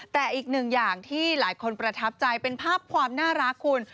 แต่อีกหนึ่งอย่างที่หลายคนประทับใจเป็นภาพความน่ารักคุณ